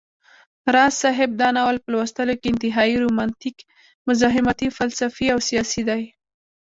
راز صاحب دا ناول په لوستلو کي انتهائى رومانتيک، مزاحمتى، فلسفى او سياسى دى